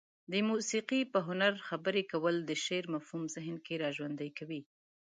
د موسيقي په هنر خبرې کول د شعر مفهوم ذهن کې را ژوندى کوي.